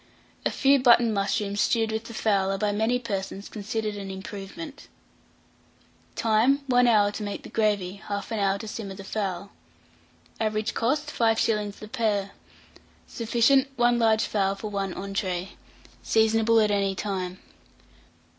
A few button mushrooms stewed with the fowl are by many persons considered an improvement. Time. 1 hour to make the gravy, 1/2 hour to simmer the fowl. Average cost, 5s. the pair. Sufficient. 1 large fowl for one entrée. Seasonable at any time.